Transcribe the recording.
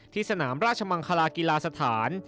สนามราชมังคลากีฬาสถาน